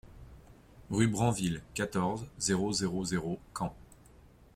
Rue Branville, quatorze, zéro zéro zéro Caen